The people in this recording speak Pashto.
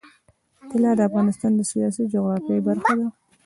طلا د افغانستان د سیاسي جغرافیه برخه ده.